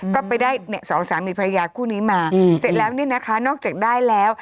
ก็ไปได้เนี่ยสองสามีภรรยาคู่นี้มาเสร็จแล้วเนี่ยนะคะนอกจากได้แล้ว